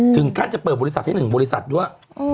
ถึงขั้นจะเปิดบริษัทให้๑บริษัทด้วย